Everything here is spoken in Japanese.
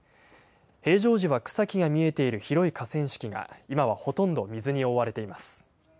平常時は草木が見えている広い河川敷が今はほとんど水に覆われています。